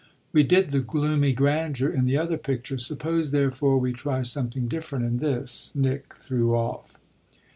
"We did the gloomy grandeur in the other picture: suppose therefore we try something different in this," Nick threw off.